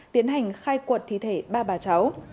tiến hành khai cuột thí thể ba bà cháu